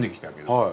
はい。